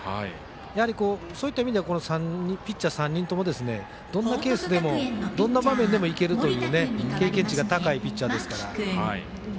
やはり、そういった意味ではピッチャー３人ともどんなケースでもどんな場面でもいけるという経験値が高いピッチャーですから。